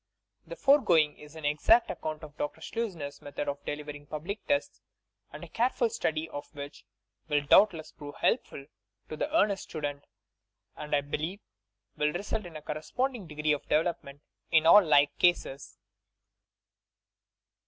The foregoing is an exact account of Dr. Schleusner'a method of delivering Public Tests, a careful study of which will doubtless prove helpful to the earnest stu dent; and, I believe, will result in a corresponding de gree of development in all like cases.